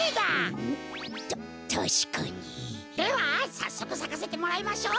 さっそくさかせてもらいましょう！